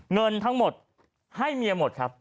เงินทั้งหมดให้เมียหมดครับ